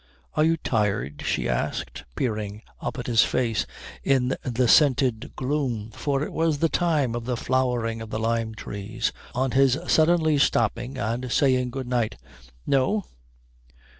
"Are you tired?" she asked, peering up at his face in the scented gloom, for it was the time of the flowering of the lime trees, on his suddenly stopping and saying good night. "No."